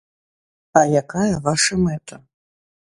А якая ваша мэта?